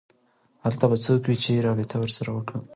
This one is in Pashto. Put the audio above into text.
هلته به څوک وي چې رابطه ورسره وکړم